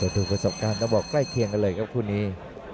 ดูประสบการณ์ต้องบอกใกล้เคียงกันเลยครับคู่นี้